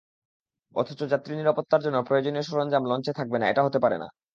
অথচ যাত্রীনিরাপত্তার জন্য প্রয়োজনীয় সরঞ্জাম লঞ্চে থাকবে না, এটা হতে পারে না।